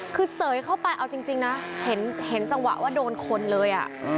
คือเสยเข้าไปเอาจริงนะเห็นจังหวะว่าโดนคนเลย